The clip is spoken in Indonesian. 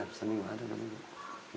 kurang lebih lah kayak nih mas